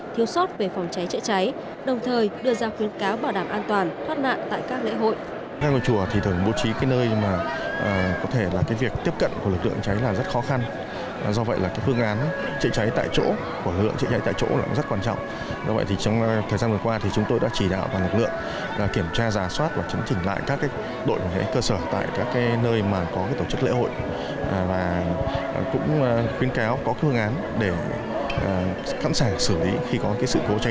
thiếu sót về phòng cháy chạy cháy đồng thời đưa ra khuyến cáo bảo đảm an toàn thoát nạn tại các lễ hội